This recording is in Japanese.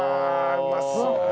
うまそう。